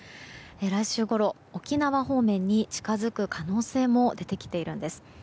来週ごろ沖縄方面に近づく可能性も出てきているんです。